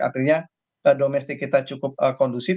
artinya domestik kita cukup kondusif